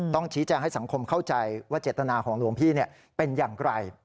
ต้องชี้แจงให้สังคมเข้าใจว่าเจตนาของหลวงพี่เป็นอย่างไร